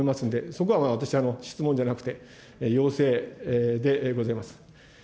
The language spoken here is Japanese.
そこは私、質問じゃなくて要請でございます。